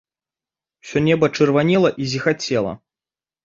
Усё неба чырванела і зіхацела.